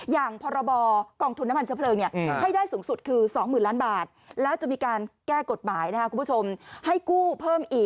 อย่างพรบกองทุนน้ำมันเฉพาะเริง